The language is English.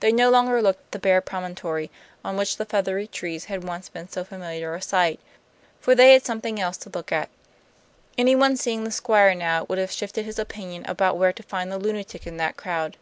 They no longer looked at the bare promontory on which the feathery trees had once been so familiar a sight; for they had something else to look at. Anyone seeing the Squire now would have shifted his opinion about where to find the lunatic in that crowd.